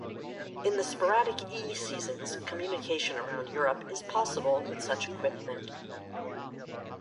In the Sporadic E seasons communication around Europe is possible with such equipment.